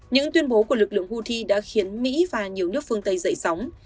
những tuyên bố của lực lượng houthi đã khiến mỹ và nhiều nước phương tây dậy sóng